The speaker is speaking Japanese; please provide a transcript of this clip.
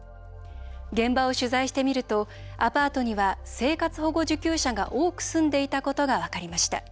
現場を取材してみるとアパートには、生活保護受給者が多く住んでいたことが分かりました。